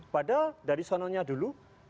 padahal dari sononya dulu